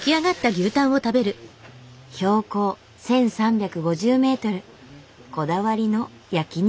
標高１，３５０ｍこだわりの焼き肉。